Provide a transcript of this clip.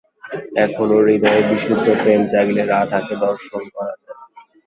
এখনও হৃদয়ে বিশুদ্ধ প্রেম জাগিলে রাধাকে দর্শন করা যায়।